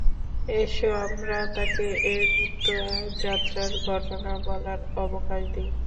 এসো আমরা তাঁকে এ মৃত্যু যাত্রার ঘটনা বলার অবকাশ দেই।